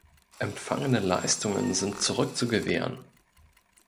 Empfangene Leistungen sind zurück zu gewähren.